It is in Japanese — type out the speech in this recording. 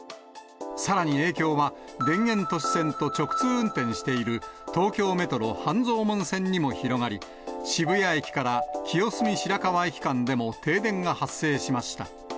さらに影響は、田園都市線と直通運転している東京メトロ半蔵門線にも広がり、渋谷駅から清澄白河駅間でも停電が発生しました。